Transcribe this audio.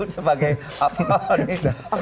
sebagai apaan ini